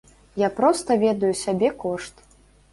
Я проста ведаю сабе кошт.